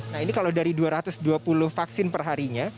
nah ini kalau dari dua ratus dua puluh vaksin perharinya